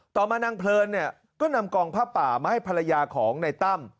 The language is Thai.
ต่อมานางเพลินเนี่ยก็นำกองผ้าป่ามาให้ภรรยาของในตั้ม